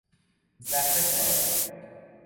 زهر کاری